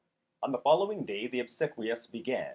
On the day following the obsequies began.